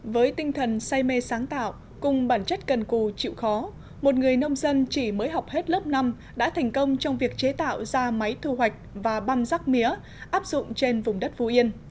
với tinh thần say mê sáng tạo cùng bản chất cần cù chịu khó một người nông dân chỉ mới học hết lớp năm đã thành công trong việc chế tạo ra máy thu hoạch và băm rắc mía áp dụng trên vùng đất phú yên